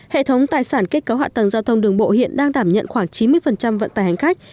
hệ thống tài sản kết cấu hạ tầng giao thông đường bộ hiện đang đảm nhận khoảng chín mươi vận tài hành khách